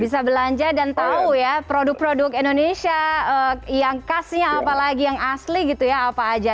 bisa belanja dan tahu ya produk produk indonesia yang khasnya apalagi yang asli gitu ya apa aja